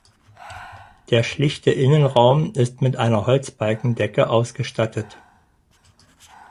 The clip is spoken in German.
Der schlichte Innenraum ist mit einer Holzbalkendecke ausgestattet.